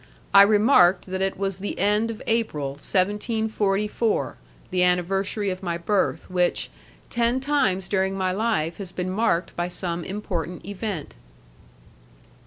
I remarked that it was the end of April, 1744, the anniversary of my birth, which, ten times during my life, has been marked by some important event.